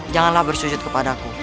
janganlah bersujud kepada aku